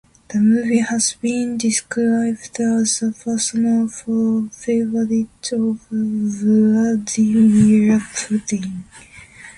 The movie has been described as a personal favourite of Vladimir Putin.